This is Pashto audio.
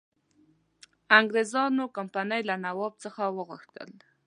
انګرېزانو کمپنی له نواب څخه وغوښتل.